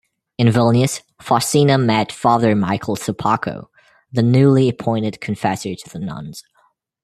In Vilnius, Faustina met Father Michael Sopocko, the newly appointed confessor to the nuns.